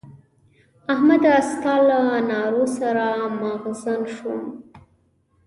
احمده! ستا له نارو سر مغزن شوم.